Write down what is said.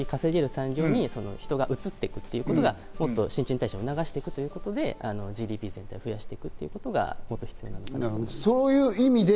産業に人が移っていくということが、もっと新陳代謝を促していくということで、ＧＤＰを増やしていくということが基本的に必要になると思います。